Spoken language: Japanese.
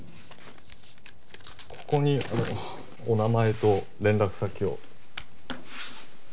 ここにお名前と連絡先を。